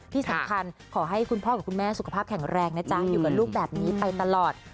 ที่สำคัญขอให้คุณพ่อกับคุณแม่สุขภาพแข็งแรงนะจ๊ะอยู่กับลูกแบบนี้ไปตลอด